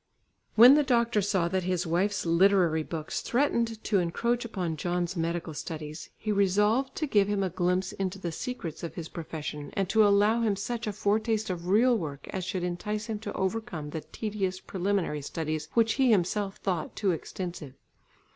When the doctor saw that his wife's literary books threatened to encroach upon John's medical studies, he resolved to give him a glimpse into the secrets of his profession, and to allow him such a foretaste of real work as should entice him to overcome the tedious preliminary studies which he himself thought too extensive.